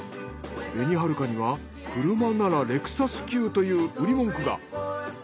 紅はるかには「車ならレクサス級」という売り文句が。